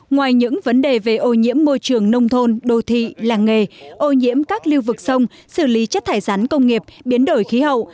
ngoài những vấn đề về ô nhiễm môi trường nông thôn đô thị làng nghề ô nhiễm các lưu vực sông xử lý chất thải rắn công nghiệp biến đổi khí hậu